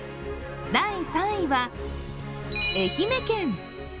第３位は愛媛県。